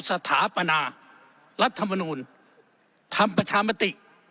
สถาปัณฑ์รัฐธรรมนูญทำประชามาติ